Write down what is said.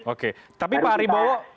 oke tapi pak ariebowo